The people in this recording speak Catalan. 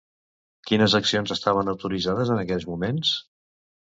Quines accions estaven autoritzades en aquells moments?